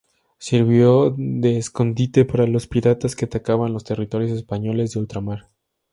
Sirvió de escondite para los piratas que atacaban los territorios españoles de ultramar.